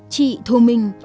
chị thu minh